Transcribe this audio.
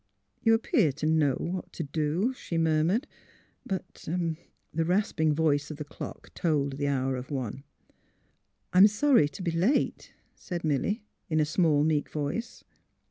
'' You appear to know what to do," she mur mured. ^' But ..." The rasping voice of the clock told the hour of one. *' I am sorry to be late, '' said Milly, in a small, meek voice.